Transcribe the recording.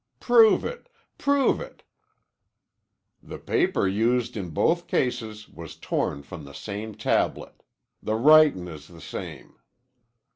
"Prove it! Prove it!" "The paper used in both cases was torn from the same tablet. The writin' is the same."